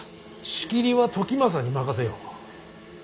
仕切りは時政に任せよう。